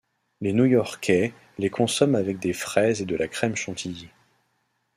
Les New-Yorkais les consomment avec des fraises et de la crème chantilly.